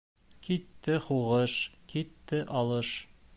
Китте һуғыш, китте алыш.